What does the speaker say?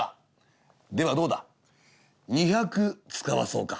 ではどうだ二百つかわそうか」。